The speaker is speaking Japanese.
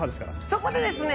そこでですね